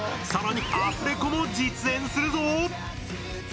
さらにアフレコも実演するぞ。